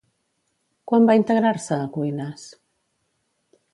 Quan va integrar-se a Cuines?